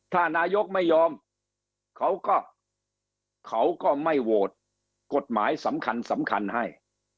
ถ้านายกไม่ยอมเขาก็ไม่โหวตกฎหมายสำคัญให้